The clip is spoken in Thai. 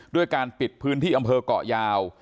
ด้วยการปิดพื้นที่อำเภอกเกาะยาว